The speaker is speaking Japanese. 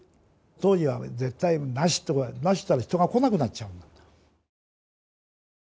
当時は絶対なしと言ったら人が来なくなっちゃうんだ。